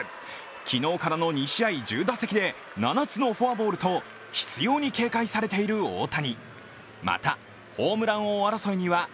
昨日からの２試合１０打席で７つのフォアボールと執ように警戒されている大谷。